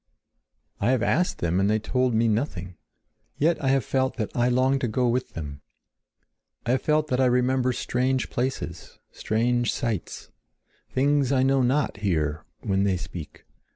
I have asked them, and they have told me nothing. Yet I have felt that I long to go with them. I have felt that I remember strange places, strange sights, things I know not here, when they speak.